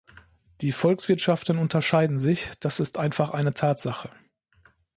Die Volkswirtschaften unterscheiden sich das ist einfach eine Tatsache.